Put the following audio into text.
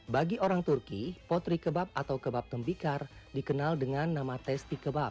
bagi orang turki potri kebab atau kebab tembikar dikenal dengan nama testi kebab